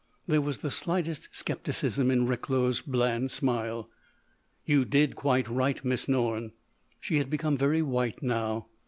There was the slightest scepticism in Recklow's bland smile. "You did quite right, Miss Norne." She had become very white now.